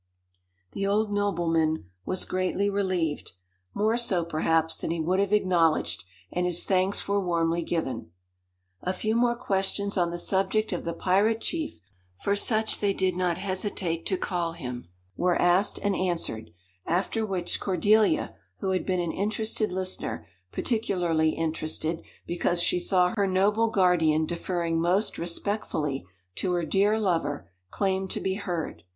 The old nobleman was greatly relieved, more so, perhaps, than he would have acknowledged, and his thanks were warmly given. A few more questions on the subject of the pirate chief, for such they did not hesitate to call him, were asked and answered, after which Cordelia, who had been an interested listener particularly interested, because she saw her noble guardian deferring most respectfully to her dear lover claimed to be heard.